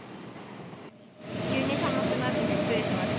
急に寒くなって、びっくりしました。